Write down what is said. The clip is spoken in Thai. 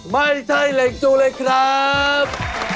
ไม่ใช่เหล็กจูเลยครับ